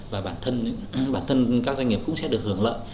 và bản thân các doanh nghiệp cũng sẽ được hưởng lợi